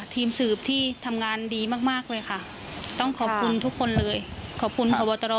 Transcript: ทีมสืบที่ทำงานดีมากมากเลยค่ะต้องขอบคุณทุกคนเลยขอบคุณพบตร